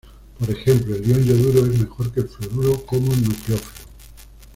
Por ejemplo, el ion yoduro es mejor que el fluoruro como nucleófilo.